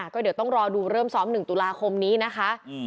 ก็เดี๋ยวต้องรอดูเริ่มซ้อม๑ตุลาคมนี้นะคะ